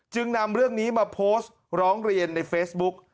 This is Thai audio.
นำเรื่องนี้มาโพสต์ร้องเรียนในเฟซบุ๊ก